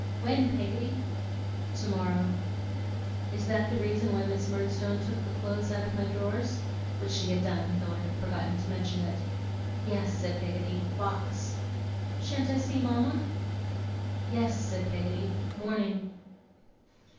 'When, Peggotty?' 'Tomorrow.' 'Is that the reason why Miss Murdstone took the clothes out of my drawers?' which she had done, though I have forgotten to mention it. 'Yes,' said Peggotty. 'Box.' 'Shan't I see mama?' 'Yes,' said Peggotty. 'Morning.